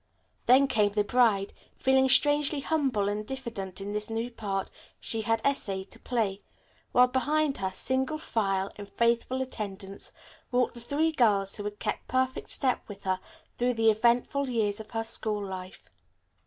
Then came the bride, feeling strangely humble and diffident in this new part she had essayed to play, while behind her, single file, in faithful attendance, walked the three girls who had kept perfect step with her through the eventful years of her school life.